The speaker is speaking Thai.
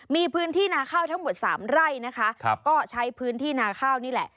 มีพื้นที่นาข้าวทั้งหมดสามไร่นะคะก็ใช้พื้นที่นาข้าวนี่แหละ